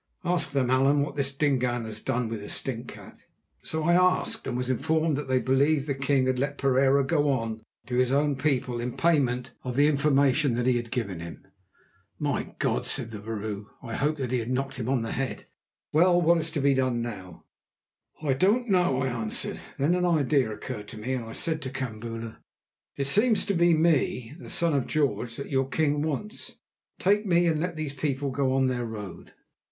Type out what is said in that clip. Ask them, Allan, what this Dingaan has done with the stinkcat." So I asked, and was informed they believed that the king had let Pereira go on to his own people in payment of the information that he had given him. "My God!" said the vrouw, "I hoped that he had knocked him on the head. Well, what is to be done now?" "I don't know," I answered. Then an idea occurred to me, and I said to Kambula: "It seems to be me, the son of George, that your king wants. Take me, and let these people go on their road."